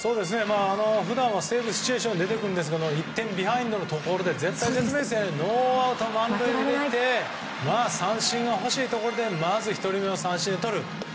普段はセーブシチュエーションで出てくるんですけど１点ビハインドのところでノーアウト満塁で三振が欲しいところでまず１人目を三振でとる。